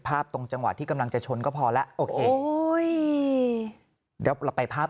ตรงจังหวะที่กำลังจะชนก็พอแล้วโอเคโอ้ยเดี๋ยวเราไปภาพ